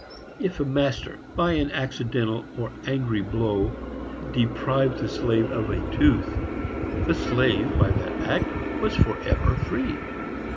If a master, by an accidental or an angry blow, deprived the slave of a tooth, the slave, by that act, was forever free.